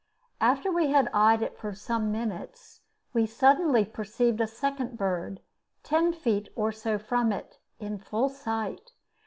After we had eyed it for some minutes we suddenly perceived a second bird, ten feet or so from it, in full sight.